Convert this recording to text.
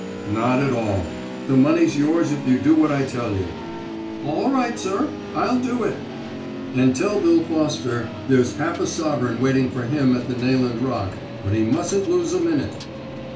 "Not at all. The money's yours if you do what I tell you." "All right, sir? I'll do it." "And tell Bill Foster there's half a sovereign waiting for him at the Nayland Rock; but he mustn't lose a minute."